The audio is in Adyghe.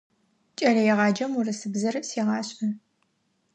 Кӏэлэегъаджэм урысыбзэр сегъашӏэ.